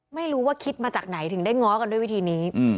ไม่รู้ว่าคิดมาจากไหนถึงได้ง้อกันด้วยวิธีนี้